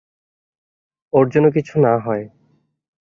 ওর যেন কিছু না হয়।